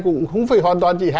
cũng không phải hoàn toàn